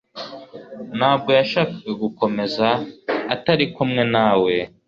ntabwo yashakaga gukomeza utari kumwe nawe